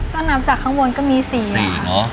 ก็นับออกจากข้างบนก็มี๔อ่ะ